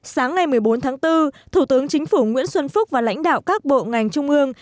sáng ngày một mươi bốn tháng bốn thủ tướng chính phủ nguyễn xuân phúc và lãnh đạo các bộ ngành trung ương